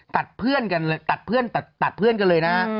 ตัดเพื่อนกันเลยตัดเพื่อนตัดเพื่อนกันเลยนะ